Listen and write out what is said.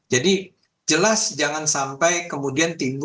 jadi jelas jangan sampai kemudian tiba tiba